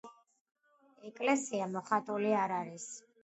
ეკლესია მოხატული არ არის.